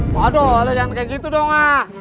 waduh lo jangan kayak gitu dong ma